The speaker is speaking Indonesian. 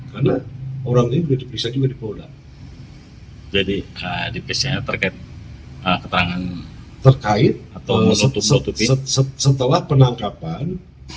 karena orang ini bisa juga dipodal jadi adiknya target ketangan terkait atau setelah penangkapan